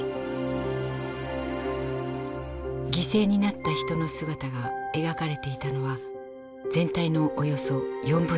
犠牲になった人の姿が描かれていたのは全体のおよそ４分の１。